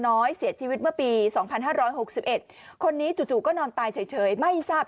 น้อยเสียชีวิตเมื่อปี๒๕๖๑คนนี้จู่ก็นอนตายเฉยไม่ทราบ